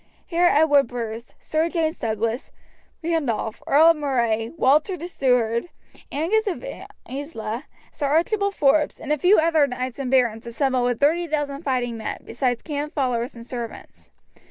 Here Edward Bruce, Sir James Douglas, Randolph, Earl of Moray, Walter the Steward, Angus of Isla, Sir Archibald Forbes, and a few other knights and barons assembled with 30,000 fighting men, besides camp followers and servants.